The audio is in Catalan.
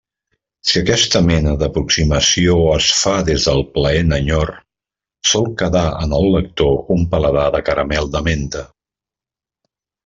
Si aquesta mena d'aproximació es fa des del plaent enyor, sol quedar en el lector un paladar de caramel de menta.